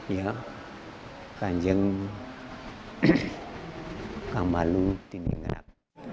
ya kanjeng kamalu diningat